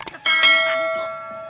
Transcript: kesalahan kita itu